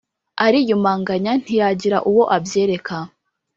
ariyumanganya ntiyagira uwo abyereka.